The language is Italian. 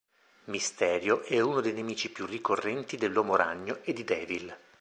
Mysterio è uno dei nemici più ricorrenti dell'Uomo Ragno e di Devil.